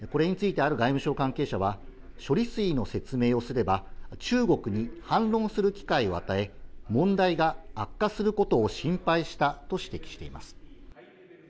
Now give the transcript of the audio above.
これについてある外務省関係者は、処理水の説明をすれば中国に反論する機会を与え、問題が悪化することを心配したと指摘しています。